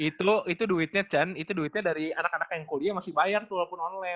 itu duitnya chan itu duitnya dari anak anak yang kuliah masih bayar tuh walaupun online